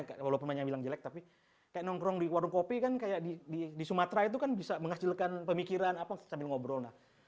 kayak walaupun banyak bilang jelek tapi kayak nongkrong di warung kopi kan kayak di sumatera itu kan bisa menghasilkan pemikiran apa sambil ngobrol